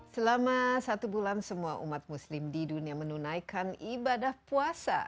selama satu bulan semua umat muslim di dunia menunaikan ibadah puasa